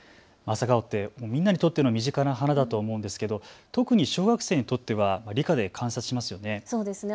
朝顔ってみんなにとっての身近な花だと思うんですけど特に小学生にとっては理科で観察しますよね。